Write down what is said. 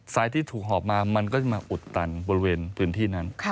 ที่ถูกหอบมามันก็จะมาอุดตันบริเวณพื้นที่นั้น